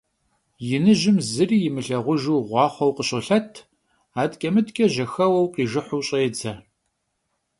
Yinıjım zıri yimılhağujju ğuaxhueu khışolhet, adeç'e - mıdeç'e jexeueu khijjıhu ş'êdze.